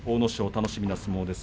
楽しみな相撲です。